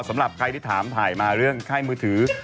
สำหรับใครที่ถามถ่ายมาเรื่องค่ายมือถือ